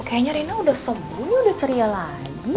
kayaknya rena sudah sembuh sudah ceria lagi